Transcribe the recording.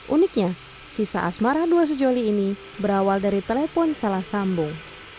uniknya kisah asmara dua sejoli ini berawal dari telepon salah sambung